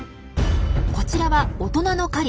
こちらは大人の狩り。